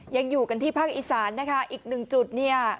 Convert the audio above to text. ยังอยู่กันที่ภาคอีซานอีกหนึ่งจุดนี้